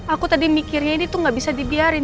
aku tadi mikirnya ini tuh gak bisa dibiarin